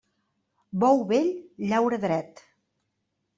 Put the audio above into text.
Bou vell llaura dret.